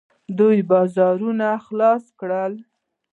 دوی بازارونه خلاص کړل.